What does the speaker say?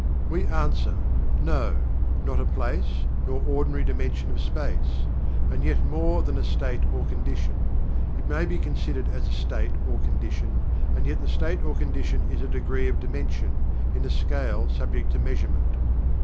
We answer: "No, not a place, nor ordinary dimension of space; and yet more than a state or condition. It may be considered as a state or condition, and yet the state or condition is a degree of dimension, in a scale subject to measurement."